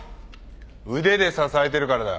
腕で支えてるからだ。